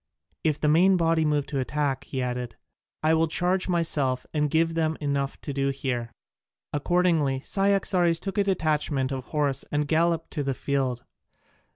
"If the main body move to attack," he added, "I will charge myself and give them enough to do here." Accordingly Cyaxares took a detachment of horse and galloped to the field.